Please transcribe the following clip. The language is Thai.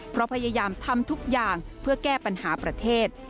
เพราะพยายามทำทุกอย่างเพื่อแก้ปัญหาประเทศ